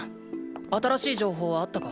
新しい情報はあったか？